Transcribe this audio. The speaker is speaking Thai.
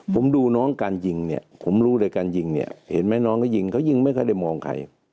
ผมดูน้องการยิงเนี่ยผมรู้เลยการยิงเนี่ยเห็นไหมน้องก็ยิงเขายิงไม่ค่อยได้มองใคร